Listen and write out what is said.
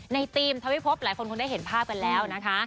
ธีมทวิภพหลายคนคงได้เห็นภาพกันแล้วนะคะ